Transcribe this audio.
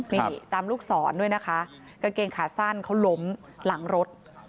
นี่ตามลูกศรด้วยนะคะกางเกงขาสั้นเขาล้มหลังรถ